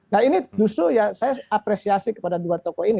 nah ini justru ya saya apresiasi kepada dua tokoh ini